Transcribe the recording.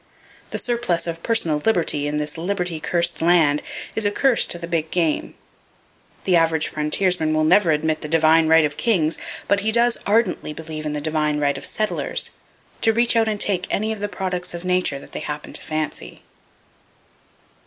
The surplus of "personal liberty" in this liberty cursed land is a curse to the big game. The average frontiersman never will admit the divine right of kings, but he does ardently believe in the divine right of settlers,—to reach out and take any of the products of Nature that they happen to fancy.